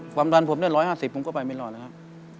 ความดันผมเนี่ย๑๕๐ผมก็ไปไม่รอดนะครับ